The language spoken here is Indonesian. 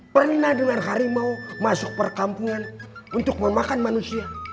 pernah dengar harimau masuk perkampungan untuk memakan manusia